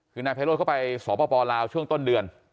คือนายไพโรธเข้าไปสปลาวช่วงต้นเดือน